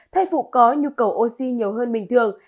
thai phụ có nhu cầu oxy nhiều hơn bình thường